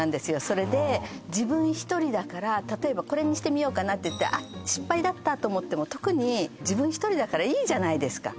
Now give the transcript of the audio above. それで自分一人だから例えばこれにしてみようかなって「あっ失敗だった」と思っても特に自分一人だからいいじゃないですか